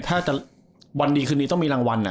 ถ้าจะวันดีคืนนี้ต้องมีรางวัล